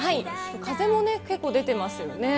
風も結構出てますよね。